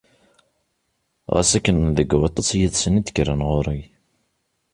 Ɣas akken deg waṭas yid-sen i d-kkren ɣur-i.